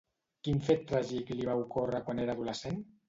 Quin fet tràgic li va ocórrer quan era adolescent?